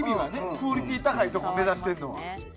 クオリティーの高いところを目指しているのは。